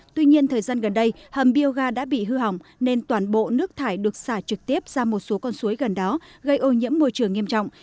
tuy nhiên thời gian gần đây hầm bioga đã bị hư hỏng nên toàn bộ nước thải được xả trực tiếp ra một số con suối gần đó gây ô nhiễm môi trường nghiêm trọng